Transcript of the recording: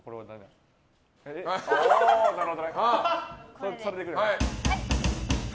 なるほどね。